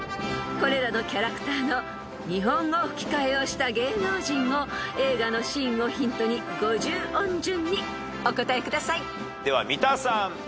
［これらのキャラクターの日本語吹き替えをした芸能人を映画のシーンをヒントに五十音順にお答えください］では三田さん。